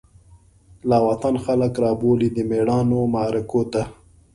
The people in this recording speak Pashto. لاوطن خلک رابولی، دمیړانومعرکوته